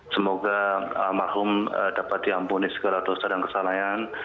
semoga almarhum dapat diampuni segala dosa dan kesalahan